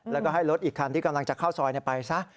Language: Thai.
แล้วก็ให้รถอีกคันที่กำลังจะเข้าซอยไปซะ